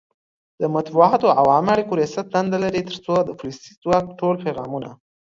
د مطبوعاتو او عامه اړیکو ریاست دنده لري ترڅو د پولیسي ځواک ټول پیغامونه